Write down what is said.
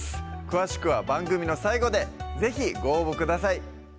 詳しくは番組の最後で是非ご応募ください